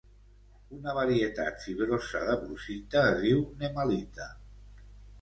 Una varietat fibrosa de brucita es diu nemalita.